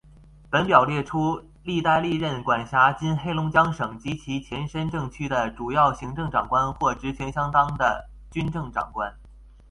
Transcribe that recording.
本表列出历代历任管辖今黑龙江省及其前身政区的主要行政长官或职权相当的军政长官。